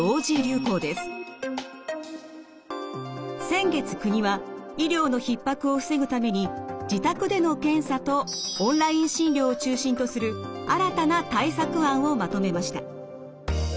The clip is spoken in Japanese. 先月国は医療のひっ迫を防ぐために自宅での検査とオンライン診療を中心とする新たな対策案をまとめました。